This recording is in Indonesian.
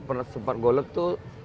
kalau dulu sempat golek tuh